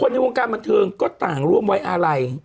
ในวงการบันเทิงก็ต่างร่วมไว้อาลัย